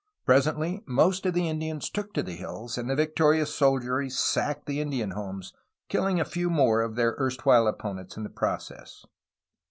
Presently, most of the Indians took to the hills, and the victorious sol diery sacked the Indian homes, kilUng a few more of their erstwhile opponents in the process.